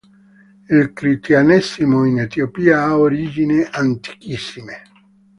Il cristianesimo in Etiopia ha origini antichissime.